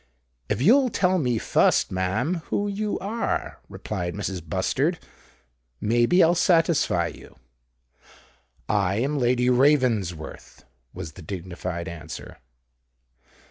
"If you'll tell me fust, ma'am, who you are," replied Mrs. Bustard, "may be I'll satisfy you." "I am Lady Ravensworth," was the dignified answer.